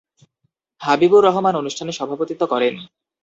হাবিবুর রহমান অনুষ্ঠানে সভাপতিত্ব করেন।